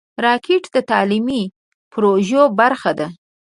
راکټ د تعلیمي پروژو برخه ده